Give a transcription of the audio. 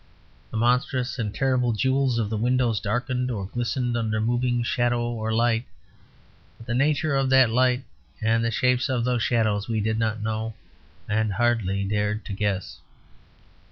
The monstrous and terrible jewels of the windows darkened or glistened under moving shadow or light, but the nature of that light and the shapes of those shadows we did not know and hardly dared to guess.